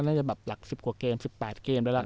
น่าจะแบบหลัก๑๐กว่าเกม๑๘เกมแล้วล่ะ